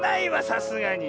さすがに。